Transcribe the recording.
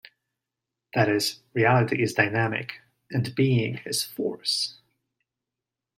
That is, reality is dynamic, and being is force.